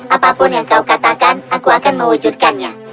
apapun yang kau katakan aku akan mewujudkannya